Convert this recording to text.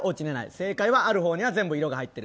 正解は、あるほうには全部色が入ってる。